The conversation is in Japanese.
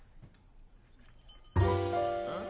うん？